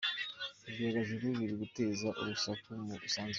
Ibyogajuru biri guteza urusaku mu isanzure